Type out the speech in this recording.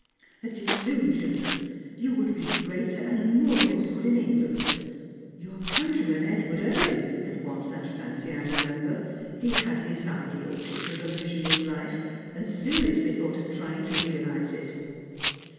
" A delusion ! You would be greater and more useful in England. Your countryman, Edward Irving, had once that fancy, I remember; he had his ideal picture of a missionary's life, and seriout ly thought of trying to realise it."